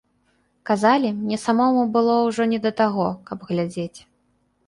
Казалі, мне самому было ўжо не да таго, каб глядзець.